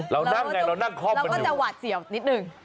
เรานั่งไงเรานั่งคล่อมแล้วก็จะหวาดเสียวนิดนึง